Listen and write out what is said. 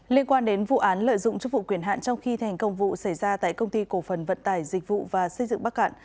liên quan đến vụ án lợi dụng chức vụ quyền hạn trong khi thành công vụ xảy ra tại công ty cổ phần vận tải dịch vụ và xây dựng bắc cạn